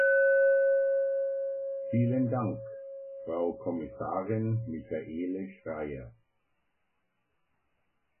Vielen Dank, Frau Kommissarin Michaele Schreyer.